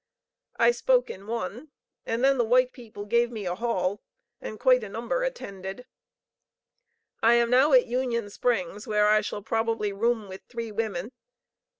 I spoke in one, and then the white people gave me a hall, and quite a number attended.... I am now at Union Springs, where I shall probably room with three women.